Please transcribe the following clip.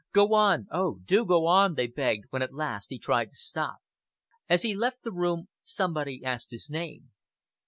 "Go on! Oh, do go on!" they begged when at last he tried to stop. As he left the room somebody asked his name.